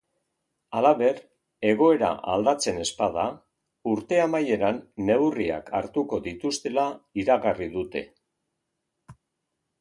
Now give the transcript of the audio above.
Halaber, egoera aldatzen ez bada urte amaieran neurriak hartuko dituztela iragarri dute.